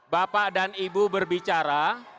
bapak dan ibu berbicara